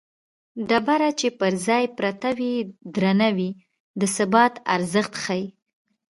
ډبره چې پر ځای پرته وي درنه وي د ثبات ارزښت ښيي